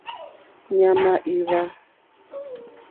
Ɲàmà í hwǎ.